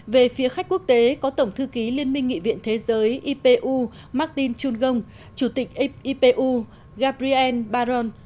về phía khách quốc tế có tổng thư ký liên minh nghị viện thế giới ipu martin chungong chủ tịch ipu gabriel baron